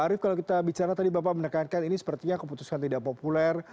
pak arief kalau kita bicara tadi bapak menekankan ini sepertinya keputusan tidak populer